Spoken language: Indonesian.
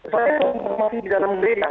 saya berada di dalam beda